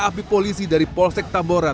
api polisi dari polsek tambora